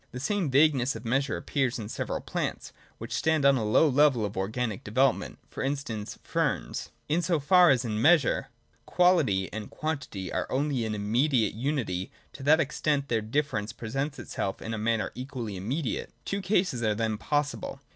The same vagueness of measure appears in several plants, which stand on a low level of organic development, — for instance, ferns. 108.J In so far as in Measure quality and quantity are only in immediate unity, to that extent their differ ence presents itself in a manner equally immediate. Two cases are then possible.